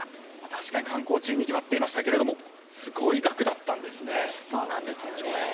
確かに観光地にぎわっていましたがすごい額だったんですね。